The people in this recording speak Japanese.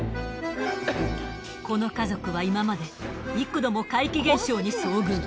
この家族は今まで幾度も怪奇現象に遭遇。